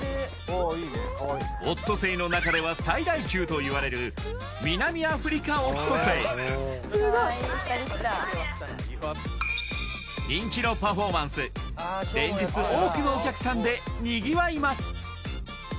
オットセイの中では最大級といわれるスゴい人気のパフォーマンス連日多くのお客さんでにぎわいます